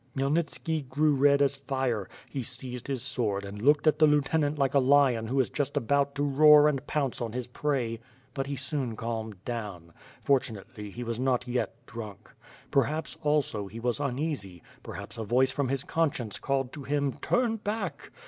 Khmyelnitski grew red as fire — he seized his sword and looked at the lieutenant like a lion who is just about to roar and pounce on his prey, but he soon calmed down; fortunately he was not yet drunk. Perhaps also, he was uneasy; perhaps a voice from his conscience called to him: "Turn back!"